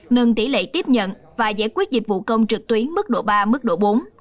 nâng tỷ lệ tiếp nhận và giải quyết dịch vụ công trực tuyến mức độ ba mức độ bốn